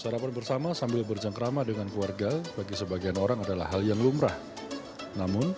sarapan bersama sambil berjengkrama dengan keluarga bagi sebagian orang adalah hal yang lumrah namun